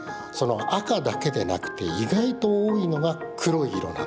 赤だけでなくて意外と多いのが黒い色なんです。